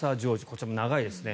こちらも長いですね。